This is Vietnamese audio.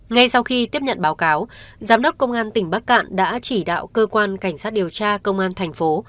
ngay sau khi tiếp nhận báo cáo giám đốc công an tỉnh bắc cạn đã chỉ đạo cơ quan cảnh sát điều tra công an thành phố